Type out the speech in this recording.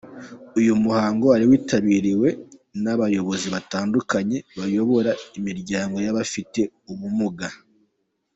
Uyu muhango wari witabiriwe n'abayobozi batandukanye bayobora imiryango y'abafite ubumuga.